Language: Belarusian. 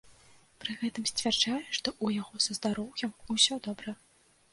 Пры гэтым сцвярджае, што ў яго са здароўем усё добра.